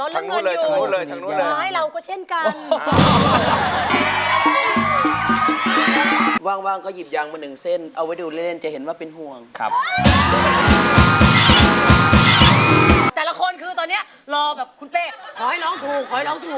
แต่ละคนคือตอนนี้รอแบบคุณเป้ขอให้ร้องถูกขอให้ร้องถูก